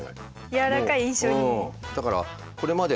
やわらかい印象に。